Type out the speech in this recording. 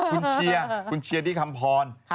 คุณเชียงคุณเชียดิคำภร